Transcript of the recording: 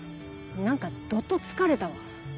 何かどっと疲れたわ。